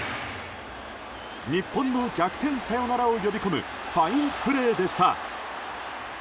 日本の逆転サヨナラを呼び込むファインプレーでした。